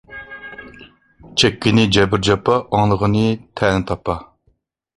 چەككىنى جەبىر-جاپا، ئاڭلىغىنى تەنە-تاپا.